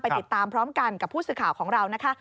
ติดตามพร้อมกันกับผู้สื่อข่าวของเรานะคะ